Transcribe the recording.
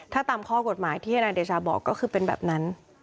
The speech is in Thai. ถ้าตามข้อกฎหมายที่ธนายเดชาบอกก็คือเป็นแบบนั้น